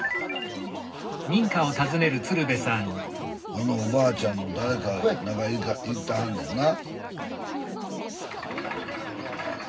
あのおばあちゃんの誰か中いてはんねんな。